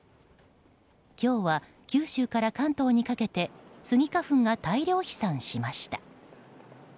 今日は九州から関東にかけてスギ花粉が大量飛散しました。